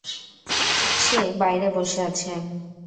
সে বাইরে বসে আছে।